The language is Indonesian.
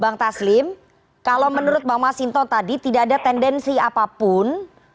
bang taslim kalau menurut bang masinto tadi tidak ada tendensi apapun